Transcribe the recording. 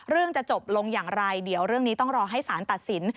จะจบลงอย่างไรเดี๋ยวเรื่องนี้ต้องรอให้สารตัดสิน